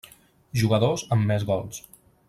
Jugadors amb més gols.